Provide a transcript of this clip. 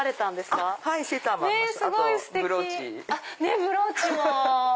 ねっブローチも。